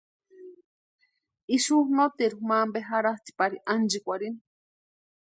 Ixu noteru mampe jarhatʼi pari ánchikwarhini.